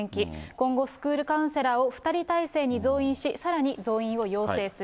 今後、スクールカウンセラーを２人体制に増員し、さらに増員を要請する。